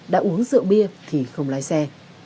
đã uống rượu bia thì không lái xe